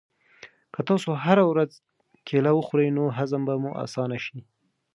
که تاسو هره ورځ کیله وخورئ نو هضم به مو اسانه شي.